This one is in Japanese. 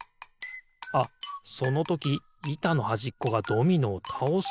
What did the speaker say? あっそのときいたのはじっこがドミノをたおすのかな？